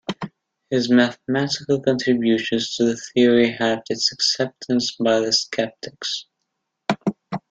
His mathematical contributions to the theory helped its acceptance by the skeptics.